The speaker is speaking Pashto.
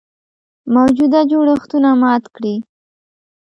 موجوده جوړښتونه مات کړي.